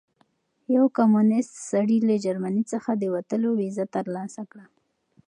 یو کمونیست سړي له جرمني څخه د وتلو ویزه ترلاسه کړه.